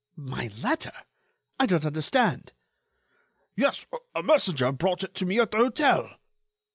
"My letter? I don't understand." "Yes, a messenger brought it to me at the hotel."